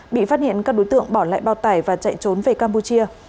bị phát hiện các đối tượng bỏ lại bao tải và chạy trốn về campuchia